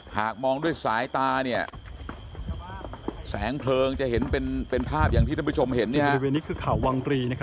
หากมองด้วยสายตาเนี่ยแสงเพลิงจะเห็นเป็นภาพอย่างที่ท่านผู้ชมเห็น